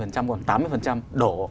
hai còn tám mươi đổ